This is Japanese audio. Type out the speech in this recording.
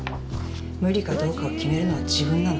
無理かどうかを決めるのは自分なの。